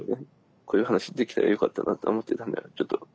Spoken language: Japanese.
こういう話できたらよかったなと思ってたんでちょっと。